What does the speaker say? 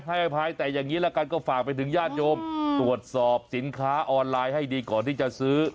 ให้อภัยแต่อย่างนี้ละกันก็ฝากไปถึงญาติโยมตรวจสอบสินค้าออนไลน์ให้ดีก่อนที่จะซื้อ